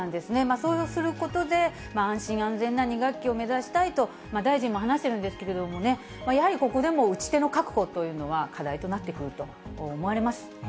そうすることで、安心安全な２学期を目指したいと、大臣も話しているんですけどもね、やはりここでも打ち手の確保というのは課題となってくると思われます。